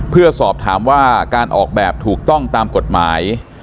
เพื่อสอบถามว่าการออกแบบถูกต้องตามกฎหมาย